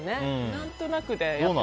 何となくで。